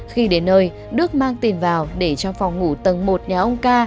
khi đến nơi đức mang tiền vào để trong phòng ngủ tầng một nhà ông ca